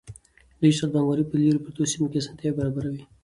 ډیجیټل بانکوالي په لیرې پرتو سیمو کې اسانتیاوې برابروي.